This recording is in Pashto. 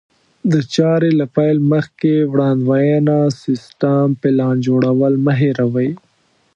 د چارې له پيل مخکې وړاندوینه، سيستم، پلان جوړول مه هېروئ.